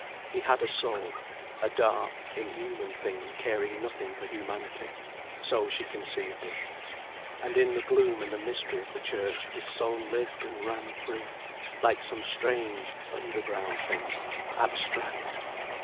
He had a soul—a dark, inhuman thing caring nothing for humanity. So she conceived it. And in the gloom and the mystery of the Church his soul lived and ran free, like some strange, underground thing, abstract.